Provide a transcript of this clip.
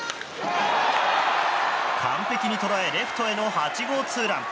完璧に捉えレフトへの８号ツーラン。